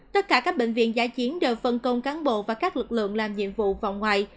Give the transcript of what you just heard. tất cả các bệnh viện giá chiến đều phân công cán bộ và các lực lượng làm nhiệm vụ vòng ngoại